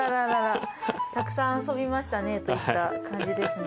たくさん遊びましたねといった感じですね。